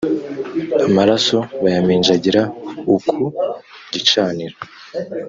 amaraso bayaminjagira u ku gicaniro